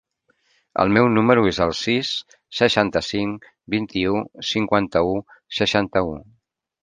El meu número es el sis, seixanta-cinc, vint-i-u, cinquanta-u, seixanta-u.